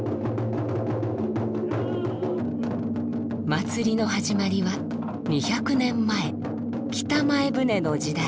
祭りの始まりは２００年前北前船の時代。